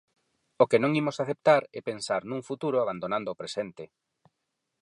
O que non imos aceptar é pensar nun futuro abandonando o presente.